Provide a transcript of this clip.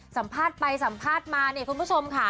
สัมภาษณ์ไปสัมภาษณ์มาเนี่ยคุณผู้ชมค่ะ